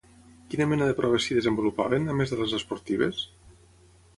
Quina mena de proves s'hi desenvolupaven, a més de les esportives?